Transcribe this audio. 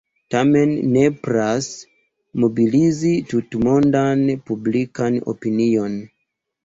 Tamen nepras mobilizi tutmondan publikan opinion.